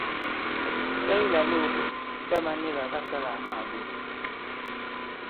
Cɛ ki làlōō ɓôt ɓa nila ɓa sālā àma màlew ?